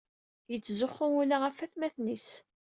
Yettzuxxu ula ɣef watmaten-is.